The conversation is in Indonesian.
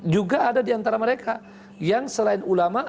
juga ada diantara mereka yang selain ulama